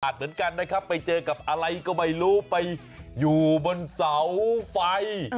เหมือนกันนะครับไปเจอกับอะไรก็ไม่รู้ไปอยู่บนเสาไฟ